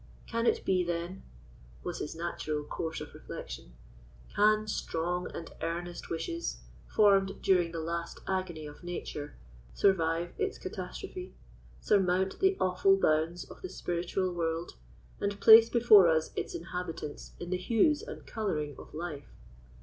Can it be, then," was his natural course of reflection—"can strong and earnest wishes, formed during the last agony of nature, survive its catastrophe, surmount the awful bounds of the spiritual world, and place before us its inhabitants in the hues and colouring of life?